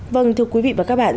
vâng thưa quý vị và các bạn